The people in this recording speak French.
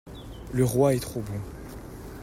Le roi est trop bon.